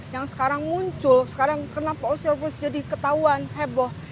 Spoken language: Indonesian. yang sekarang muncul sekarang kenapa osservoir jadi ketahuan heboh